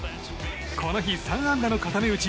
この日、３安打の固め打ち。